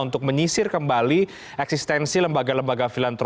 apakah memang ini perlu ya bahwa momentum act ini juga bergantung kepada kemampuan pemerintah